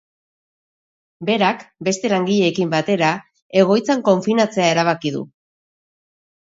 Berak, beste langileekin batera, egoitzan konfinatzea erabaki du.